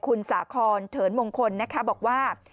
คุณสาครเถินมงคลบอกว่า